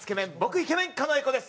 イケメン狩野英孝です。